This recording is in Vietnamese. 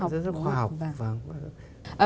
rất là khoa học